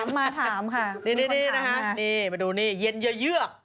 เขาถามมาถามค่ะ